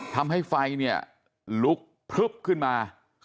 ทำให้ไฟเนี่ยลุกพลึบขึ้นมา